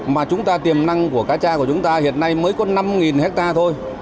mà chúng ta tiềm năng của cá cha của chúng ta hiện nay mới có năm hectare thôi